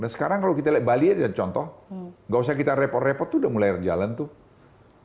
dan sekarang kalau kita lihat bali ya contoh nggak usah kita repot repot tuh udah mulai jalan tuh